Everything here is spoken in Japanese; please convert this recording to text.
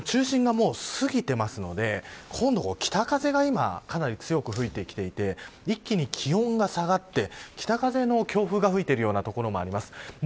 この中心がもう過ぎていますので北風がかなり強く吹いてきていて一気に気温が下がって北風の強風が吹いているような所もあります。